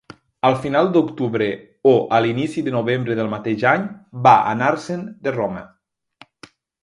Al final d'octubre o a l'inici de novembre del mateix any, va anar-se'n de Roma.